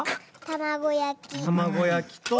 卵焼きと。